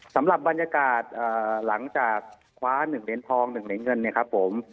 สำหรับบรรยากาศหลังจากคว้า๑เหรียญทอง๑เหรียญเงินเนี่ยครับผม